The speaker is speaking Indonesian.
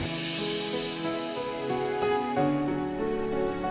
aku pilih siapa